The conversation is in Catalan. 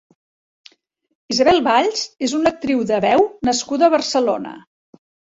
Isabel Valls és una actriu de veu nascuda a Barcelona.